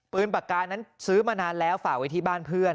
ปากกานั้นซื้อมานานแล้วฝากไว้ที่บ้านเพื่อน